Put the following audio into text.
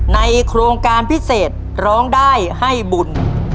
ในโครงการพิเศษร้องได้ให้บุญ